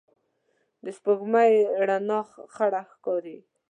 د سپوږمۍ رڼا خړه ښکاري